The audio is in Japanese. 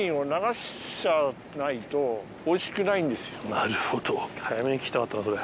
なるほど。